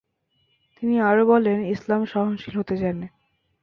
তিনি আরও বলেন, ইসলাম সহনশীল হতে জানে।